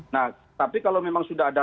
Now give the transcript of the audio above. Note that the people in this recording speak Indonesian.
nah tapi kalau memang sudah ada